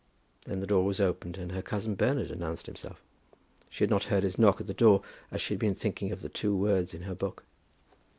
Then the door was opened, and her cousin Bernard announced himself. She had not heard his knock at the door as she had been thinking of the two words in her book.